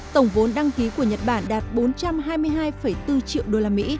tổng vốn đăng ký của nhật bản đạt bốn trăm hai mươi hai bốn triệu usd